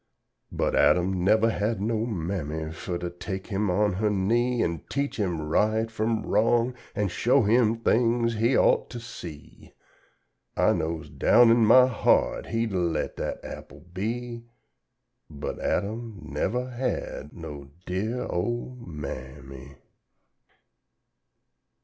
But, Adam nevuh had no Mammy fuh to take him on her knee An' teach him right fum wrong an' show him Things he ought to see. I knows down in my heart he'd a let dat apple be, But Adam nevuh had no dear old Ma am my.